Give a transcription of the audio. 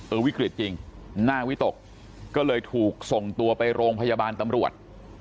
วิกฤตจริงหน้าวิตกก็เลยถูกส่งตัวไปโรงพยาบาลตำรวจ